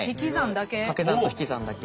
かけ算と引き算だけ？